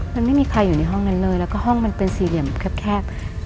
มันไม่มีใครอยู่ในห้องนั้นเลยแล้วก็ห้องมันเป็นสี่เหลี่ยมแคบ